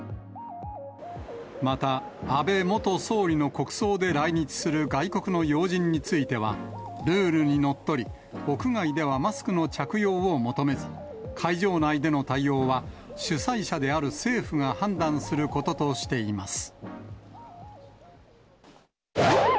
また、安倍元総理の国葬で来日する外国の要人については、ルールにのっとり、屋外ではマスクの着用を求めず、会場内での対応は、主催者である政府が判断することとしています。